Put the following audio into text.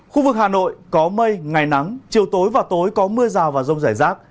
khu vực hà nội có mây ngày nắng chiều tối và tối có mưa rào và rông rải rác